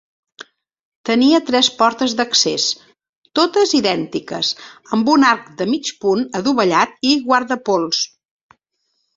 Tenia tres portes d’accés, totes idèntiques, amb un arc de mig punt adovellat i guardapols.